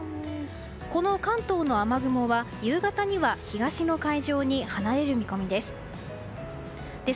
この関東の雨雲は夕方には東の海上に離れる見込みです。